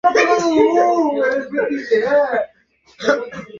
একবেলা আহারের বন্দোবস্ত করিবার জন্য আমাকে দ্বারে দ্বারে ফিরিতে হইত।